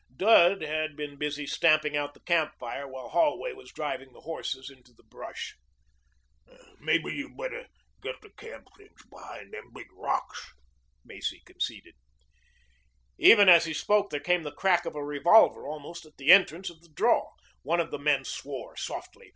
Dud had been busy stamping out the camp fire while Holway was driving the horses into the brush. "Mebbe you had better get the camp things behind them big rocks," Macy conceded. Even as he spoke there came the crack of a revolver almost at the entrance to the draw. One of the men swore softly.